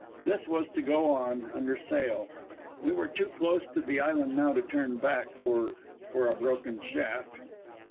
This was to go on under sail. We were too close to the island now to turn back for for a broken shaft.